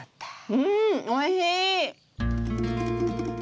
うんおいしい！